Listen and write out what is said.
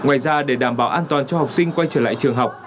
ngoài ra để đảm bảo an toàn cho học sinh quay trở lại trường học